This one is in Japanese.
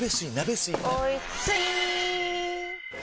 おいスイー！